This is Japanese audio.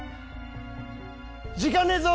時間ねえぞ！